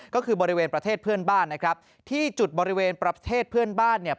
ก็คือบริเวณประเทศเพื่อนบ้านนะครับที่จุดบริเวณประเทศเพื่อนบ้านเนี่ย